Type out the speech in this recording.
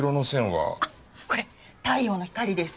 あっこれ太陽の光です。